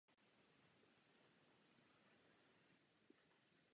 Je nejstarším majákem v kraji Saaremaa.